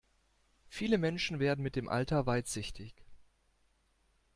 Viele Menschen werden mit dem Alter weitsichtig.